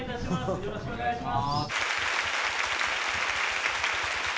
よろしくお願いします。